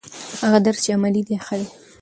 هغه درس چې عملي دی ښه دی.